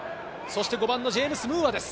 ５番のジェームス・ムーアです。